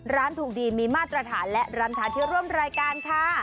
ร้านถูกดีมีมาตรฐานและร้านค้าที่ร่วมรายการค่ะ